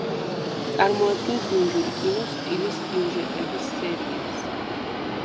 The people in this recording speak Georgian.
წარმოადგენს მუნჯური კინოს სტილის სიუჟეტების სერიებს.